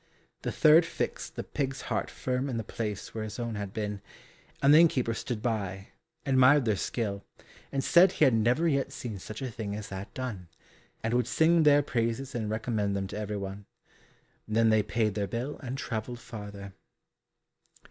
The third fixed the pig's heart firm in the place where his own had been, and the innkeeper stood by, admired their skill, and said he had never yet seen such a thing as that done, and would sing their praises and recommend them to everyone. Then they paid their bill, and travelled farther.